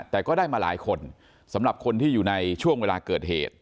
แต่ก็ได้มาหลายคนสำหรับคนที่อยู่ในช่วงเวลาเกิดเหตุ